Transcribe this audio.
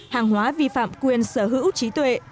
hàng hóa vi phạm quyền sở hữu trí tuệ